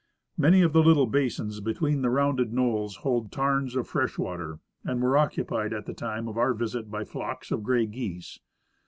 Many of the little basins between the rounded knolls hold tarns of fresh water, and were occupied at the time of our visit by flocks of gray geese.